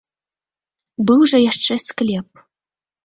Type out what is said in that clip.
Быў жа яшчэ склеп.